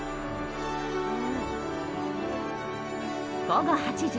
午後８時。